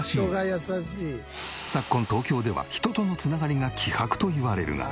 昨今東京では人との繋がりが希薄といわれるが。